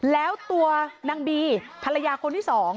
แล้วตัวนางบีภรรยาคนที่๒